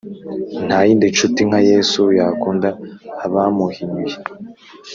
Ntayindi nshuti nka yesu yakunda abamuhinyuye